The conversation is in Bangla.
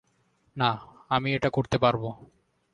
না, আমি এটা করতে পারবো।